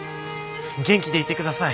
元気でいて下さい。